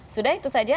sudah itu saja